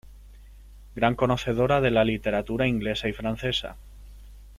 Gran conocedora de la literatura inglesa y francesa.